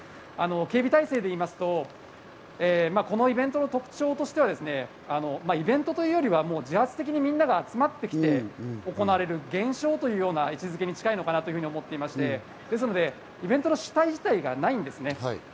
警備態勢で言うと、このイベントの特徴としてはイベントというよりは自発的にみんなが集まってきて行われる現象というような位置付けに近いのかなと思ってまして、イベントの主体自体がないんです。